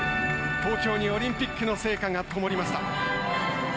東京にオリンピックの聖火がともりました。